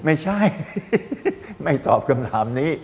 ไม่ใช่ไม่ตอบคำถามนี้